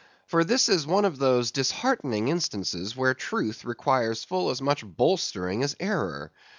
For this is one of those disheartening instances where truth requires full as much bolstering as error.